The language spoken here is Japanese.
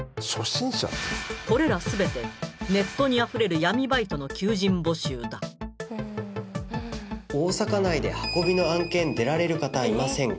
これら全てネットにあふれる闇バイトの求人募集だ「大阪内で運びの案件」「出られる方居ませんか？」